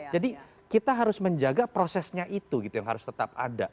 jadi kita harus menjaga prosesnya itu gitu yang harus tetap ada